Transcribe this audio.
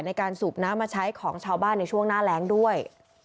ในการสูบน้ำมาใช้ของชาวบ้านในช่วงหน้าแรงด้วย